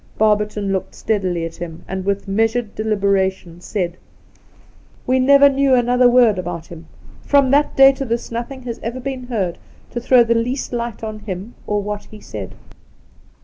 Barberton looked steadily at him, and with measured deliberation said : The Outspan 29 ' We never knew another word about him. From that day to this nothing has ever been heard to throw the least light on him or what he said.'